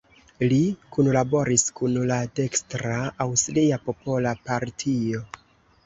Li kunlaboris kun la dekstra Aŭstria Popola Partio.